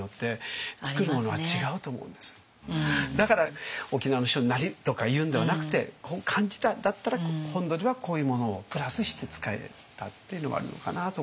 だから「沖縄の人なり」とかいうんではなくてこう感じたんだったら本土ではこういうものをプラスして使えたっていうのもあるのかなとか。